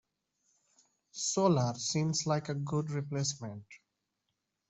Solar seems like a good replacement.